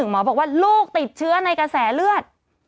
หมอบอกว่าลูกติดเชื้อในกระแสเลือด